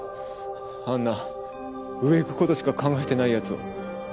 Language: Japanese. あんな上いくことしか考えてないやつを。